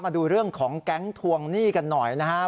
มาดูเรื่องของแก๊งทวงหนี้กันหน่อยนะครับ